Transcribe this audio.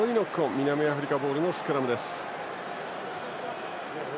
南アフリカボールのスクラムです。